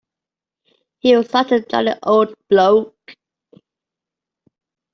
He was such a jolly old bloke.